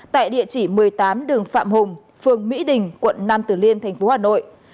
tại địa chỉ một mươi tám đường phạm hùng phường mỹ đình quận nam tử liêm thành phố hà nội